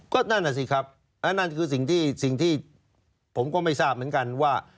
ก็นั่นน่ะสิครับนั่นคือสิ่งที่สิ่งที่ผมก็ไม่ทราบเหมือนกันว่า